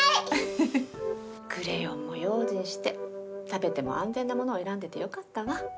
ふふっクレヨンも用心して食べても安全なものを選んでてよかったわ。